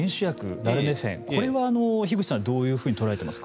ナルメフェン樋口さん、どういうふうに捉えていますか。